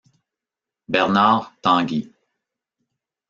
Bernard Tanguy.